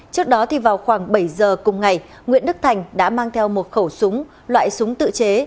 trước đó vào khoảng bảy giờ cùng ngày nguyễn đức thành đã mang theo một khẩu súng loại súng tự chế